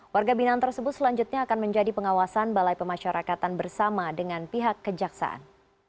warga binaan tersebut selanjutnya akan menjadi pengawasan balai pemasyarakatan bersama dengan pihak kejaksaan